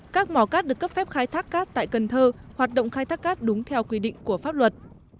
các mỏ cát được cấp phép khai thác cát tại cần thơ hoạt động khai thác cát đúng theo quy định của pháp luật